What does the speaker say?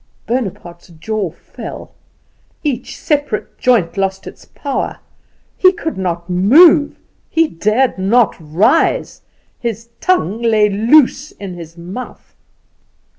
Bonaparte's jaw fell: each separate joint lost its power: he could not move; he dared not rise; his tongue lay loose in his mouth.